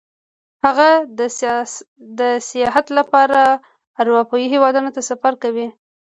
هغه د سیاحت لپاره اروپايي هېوادونو ته سفر کوي